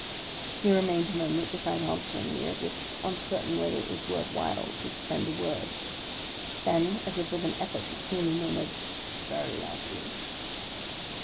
He remained a moment without answering me, as if uncer tain whether it was worth while to expend a word; then, as if with an effort, he coolly murmured, " Very likely."